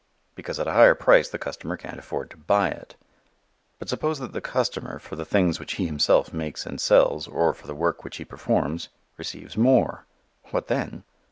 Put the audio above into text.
Because at a higher price the consumer can't afford to buy it. But suppose that the consumer, for the things which he himself makes and sells, or for the work which he performs, receives more? What then?